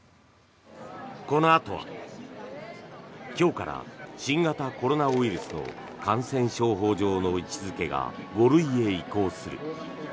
このあとは今日から新型コロナウイルスの感染症法上の位置付けが５類へ移行する。